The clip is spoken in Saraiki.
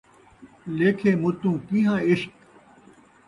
لیکھے مُتوں کیہاں عشق